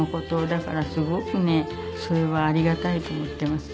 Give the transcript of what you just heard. だからすごくねそれはありがたいと思っています。